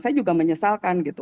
saya juga menyesalkan gitu